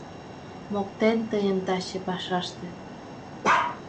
Моктен тыйым таче пашаште: